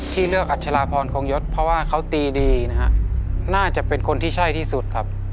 ที่เลือกอัชราพรคงยศเพราะว่าเขาตีดีนะฮะน่าจะเป็นคนที่ใช่ที่สุดครับ